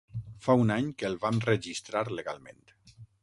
Fa un any que el vam registrar legalment.